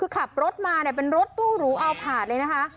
ขับรถมาเนี่ยเป็นรถตู้หรูเอาผ่านเลยนะคะ